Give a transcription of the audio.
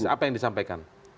apa yang disampaikan